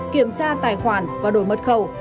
kiểm tra tài khoản và đổi mật khẩu